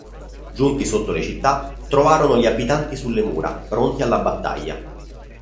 Giunti sotto le città, trovarono gli abitanti sulle mura, pronti alla battaglia.